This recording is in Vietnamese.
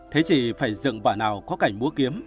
thế chị phải dựng vợ nào có cảnh mua kiếm